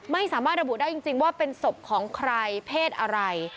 ไม่สามารถระบุได้จริงว่าเป็นศพของใครเพศอะไร